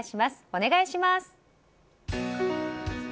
お願いします。